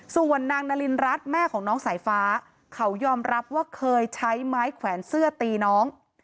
ส่วนนางนารินรัฐแม่ของน้องสายฟ้าเขายอมรับว่าเคยใช้ไม้แขวนเสื้อตีน้อง